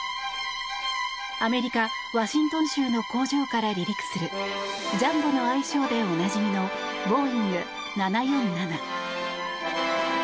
アメリカ・ワシントン州の工場から離陸するジャンボの愛称でおなじみのボーイング７４７。